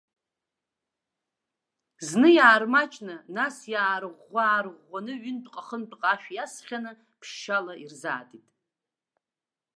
Зны иаармаҷны, нас иаарӷәӷәы-аарӷәӷәаны ҩынтәҟа-хынтәҟа ашә иасхьаны, ԥшьшьала ирзаатит.